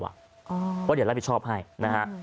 เพราะเดี๋ยวรับผิดชอบให้นะฮะ